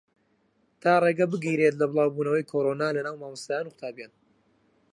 تا ڕێگە بگیرێت لە بڵاوبوونەوەی کۆرۆنا لەناو مامۆستایان و قوتابییان